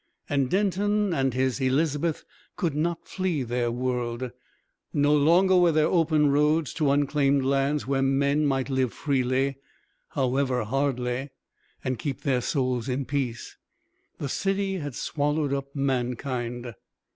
And Denton and his Elizabeth could not flee their world, no longer were there open roads to unclaimed lands where men might live freely however hardly and keep their souls in peace. The city had swallowed up mankind.